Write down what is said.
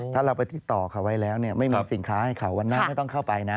ถ้าเราไปที่ต่อเขาไว้แล้วเนี่ยไม่มีสินค้าให้เขาวันหน้าไม่ต้องเข้าไปนะ